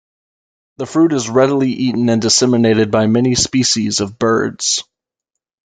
The fruit is readily eaten and disseminated by many species of birds.